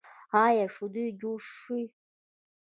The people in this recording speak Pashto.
ایا شیدې جوشوئ؟